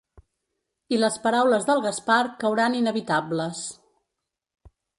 I les paraules del Gaspar cauran inevitables.